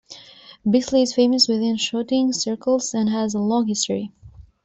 Bisley is famous within shooting circles and has a long history.